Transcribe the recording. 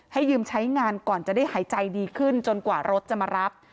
ยืมใช้งานก่อนจะได้หายใจดีขึ้นจนกว่ารถจะมารับ